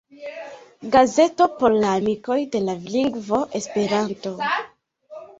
Gazeto por la amikoj de la lingvo Esperanto.